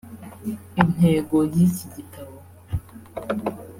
Intego y’iki gitabo